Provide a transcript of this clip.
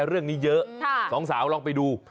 เรื่องนี้เยอะสองสาวลองไปดู